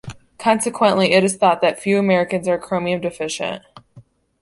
Consequently, it is thought that few Americans are chromium deficient.